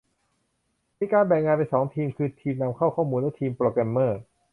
มีการแบ่งงานเป็น สอง ทีม คือ ทีมนำเข้าข้อมูล และ ทีมโปรแกรมเมอร์